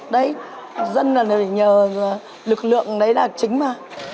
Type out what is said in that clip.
đấy dân là nhờ lực lượng đấy là chính mà